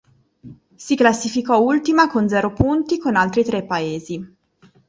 Si classificò ultima con zero punti con altri tre paesi.